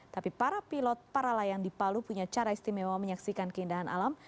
tapi para pilot para layang di palu punya cara istimewa menyaksikan keindahan alam